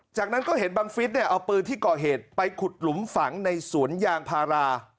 จากนั้นก็เห็นบังฟิศเนี่ยเอาปืนที่ก่อเหตุไปขุดหลุมฝังในสวนยางพารา